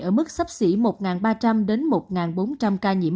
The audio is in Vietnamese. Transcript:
ở mức sấp xỉ một ba trăm linh đến một bốn trăm linh ca nhiễm